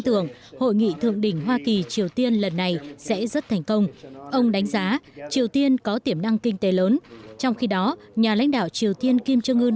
tổng thống mỹ donald trump và nhà lãnh đạo triều tiên kim trương ươn